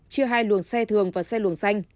chia hai luồng xe thường và xe luồng xanh